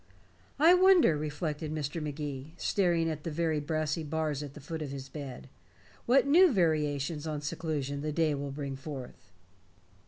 "I wonder," reflected Mr. Magee, staring at the very brassy bars at the foot of his bed, "what new variations on seclusion the day will bring forth?"